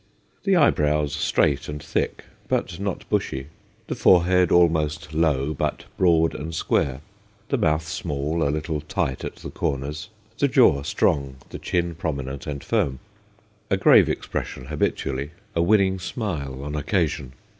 The eyebrows straight and thick, but not bushy; the forehead almost low, but broad and square; the mouth small, a little tight at the corners ; the jaw strong, the chin prominent and firm. A grave expression habitually, a winning smile on occasion.